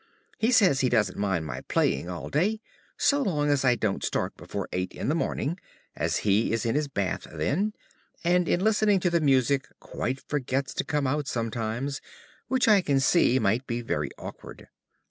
He says he doesn't mind my playing all day, so long as I don't start before eight in the morning, as he is in his bath then, and in listening to the music quite forgets to come out sometimes, which I can see might be very awkward.